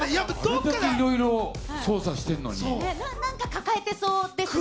これだけいろいろ捜査してるなんか抱えてそうですしね。